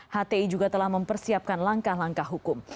hti juga telah mempersiapkan langkah langkah hukum